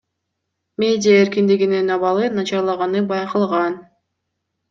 Медиа эркиндигинин абалы начарлаганы байкалган.